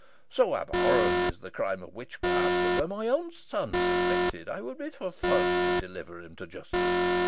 So abhorrent is the crime of witchcraft, that were my own son suspected, I would be the first to deliver him to justice.